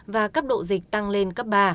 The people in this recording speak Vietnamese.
và cấp độ dịch tăng lên cấp ba